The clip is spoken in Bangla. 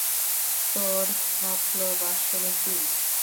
তোর মতলব আসলে কী?